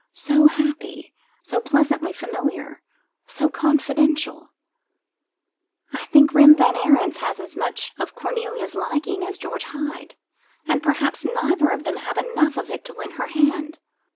So happy! So pleasantly familiar! So confidential! I think Rem Van Ariens has as much of Cornelia's liking as George Hyde; and perhaps neither of them have enough of it to win her hand.